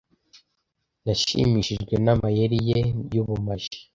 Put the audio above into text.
Nashimishijwe n'amayeri ye y'ubumaji.